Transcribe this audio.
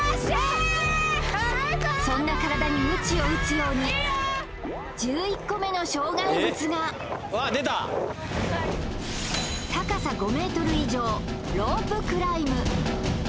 そんな体にムチを打つように１１個目の障害物が高さ５ｍ以上Ｒｏｐｅｃｌｉｍｂ